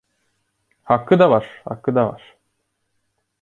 Hakkı da var, hakkı da var!